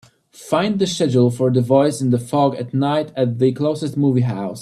Find the schedule for The Voice in the Fog at night at the closest movie house.